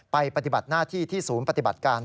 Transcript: ปฏิบัติหน้าที่ที่ศูนย์ปฏิบัติการ